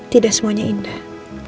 tidak semuanya indah